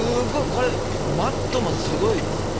これマットもすごい！